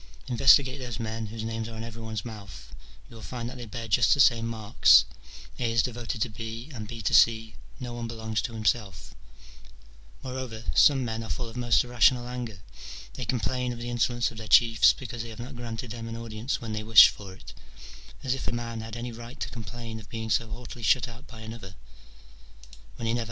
Investigate those men, whose names are in every one's mouth : you will find that they bear just the same marks : A is devoted to B, and B to C : no one belongs to himself. Moreover some men are full of most irrational anger: they complain of the insolence of their chiefs, because they have not granted them an audience when they wished for it ; as if a man had any right to complain of being so haughtily shut out by another, when he never has ^" Combien d'orateurs qui s'epuisent de sang et de forces pour faire montrer de leur genie